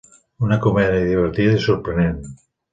Una comèdia divertida i sorprenent.